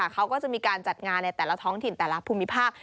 เขาก็จะมีการจัดงานในแต่ละท้องถิ่นแต่ละภูมิภาค